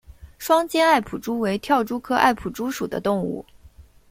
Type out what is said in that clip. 双尖艾普蛛为跳蛛科艾普蛛属的动物。